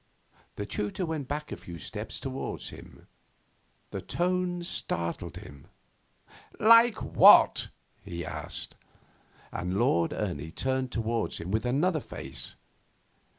The tutor went back a few steps towards him. The tone startled him. 'Like what?' he asked. And Lord Ernie turned towards him with another face.